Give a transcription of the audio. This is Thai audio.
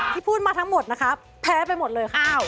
พูดมาทั้งหมดนะคะแพ้ไปหมดเลยค่ะ